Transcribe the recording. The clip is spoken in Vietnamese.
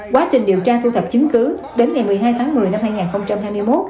quá trình điều tra thu thập chứng cứ đến ngày một mươi hai tháng một mươi năm hai nghìn hai mươi một